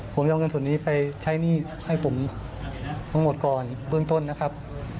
ผมจะเอาเงินส่วนนี้ไปใช้หนี้ให้ผมทั้งหมดก่อนเบื้องต้นนะครับ